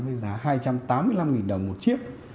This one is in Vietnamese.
với giá hai trăm tám mươi năm đồng một chiếc